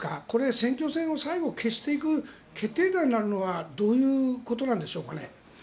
これ、選挙戦を最後決していく決定打になるのはどういうことなんでしょうか。